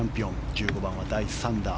１５番は第３打。